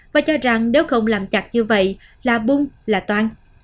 và cho rằng nếu không làm chặt như vậy là bung là toan